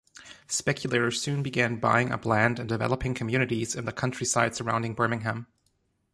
Speculators soon began buying up land and developing communities in the countryside surrounding Birmingham.